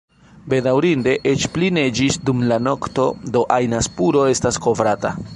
Bedaŭrinde, eĉ pli neĝis dum la nokto, do ajna spuro estas kovrata.